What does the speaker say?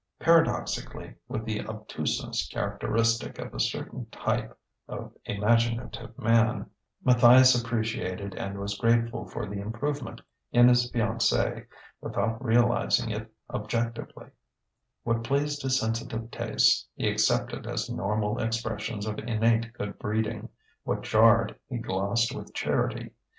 Paradoxically, with the obtuseness characteristic of a certain type of imaginative man, Matthias appreciated and was grateful for the improvement in his fiancée without realizing it objectively; what pleased his sensitive tastes, he accepted as normal expressions of innate good breeding; what jarred, he glossed with charity.